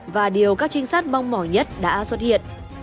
và điều các trinh sát mong mỏi nhất đã xuất hiện